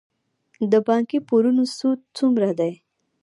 د بانکي پورونو سود څومره دی؟